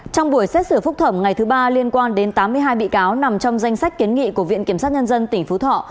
trong buổi xét xử phúc thẩm ngày thứ ba liên quan đến tám mươi hai bị cáo nằm trong danh sách kiến nghị của viện kiểm sát nhân dân tỉnh phú thọ